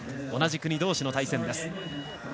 同じ国同士の対戦です。